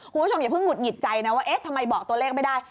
คุณผู้ชมอย่าเพิดหงิดใจนะว่าเอ๊ะทำไมบอกตัวเลขไม่ได้